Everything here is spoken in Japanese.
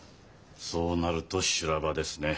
そうなると修羅場ですね。